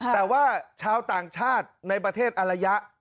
แต่ว่าชาวต่างชาติในประเทศอารยะ